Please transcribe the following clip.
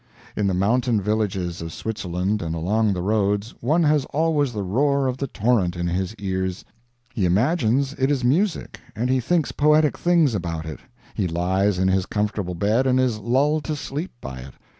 In the mountain villages of Switzerland, and along the roads, one has always the roar of the torrent in his ears. He imagines it is music, and he thinks poetic things about it; he lies in his comfortable bed and is lulled to sleep by it.